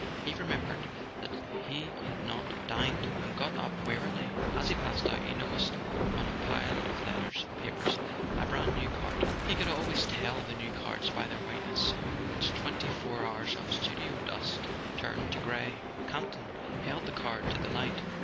He remembered that he had not dined, and got up wearily. As he passed out he noticed on a pile of letters and papers a brand new card: he could always tell the new cards by their whiteness, which twenty four hours of studio dust turned to grey. Campton held the card to the light.